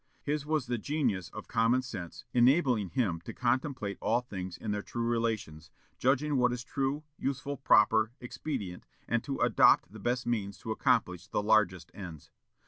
"His was the genius of common sense, enabling him to contemplate all things in their true relations, judging what is true, useful, proper, expedient, and to adopt the best means to accomplish the largest ends.